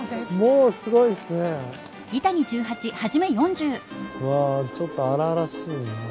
うわちょっと荒々しいな。